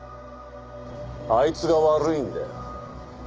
あいつが悪いんだよ。